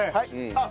あっ！